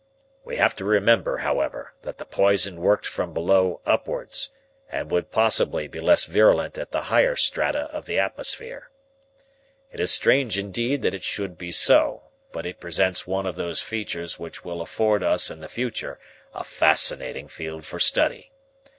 We have to remember, however, that the poison worked from below upwards and would possibly be less virulent in the higher strata of the atmosphere. It is strange, indeed, that it should be so; but it presents one of those features which will afford us in the future a fascinating field for study.